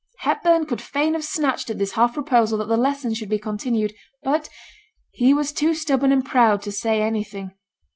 Hepburn would fain have snatched at this half proposal that the lessons should be continued, but he was too stubborn and proud to say anything.